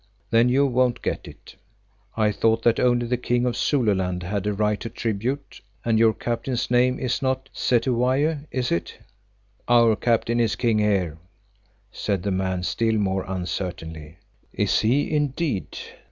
Then you won't get it. I thought that only the King of Zululand had a right to tribute, and your Captain's name is not Cetywayo, is it?" "Our Captain is King here," said the man still more uncertainly. "Is he indeed?